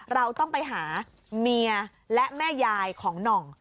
เราต้องไปหาเมียและแม่ยายของหน่อง